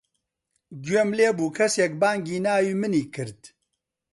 گوێم لێ بوو کەسێک بانگی ناوی منی کرد.